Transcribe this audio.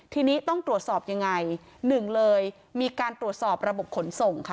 ทีนี้ต้องตรวจสอบยังไงหนึ่งเลยมีการตรวจสอบระบบขนส่งค่ะ